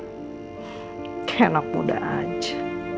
kayak anak muda aja